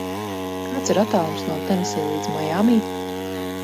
Kāds ir attālums no Tenesī līdz Maiami?